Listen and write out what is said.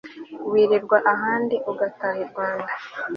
wirirwa ahandi agataha irwanda